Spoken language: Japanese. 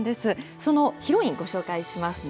そのヒロイン、ご紹介しますね。